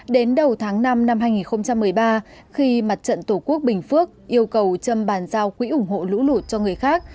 đến đầu tháng năm năm hai nghìn một mươi ba khi mặt trận tổ quốc bình phước yêu cầu châm bàn giao quỹ ủng hộ lũ lụt cho người khác